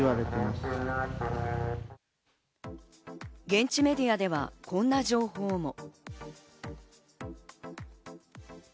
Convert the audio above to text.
現地メディアではこんな情報も。